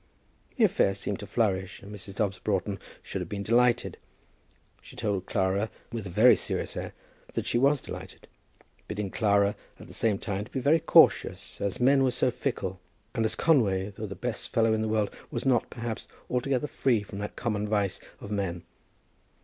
The affair seemed to flourish, and Mrs. Dobbs Broughton should have been delighted. She told Clara, with a very serious air, that she was delighted, bidding Clara, at the same time, to be very cautious, as men were so fickle, and as Conway, though the best fellow in the world, was not, perhaps, altogether free from that common vice of men.